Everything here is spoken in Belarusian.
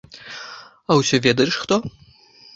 А ўсё ведаеш хто?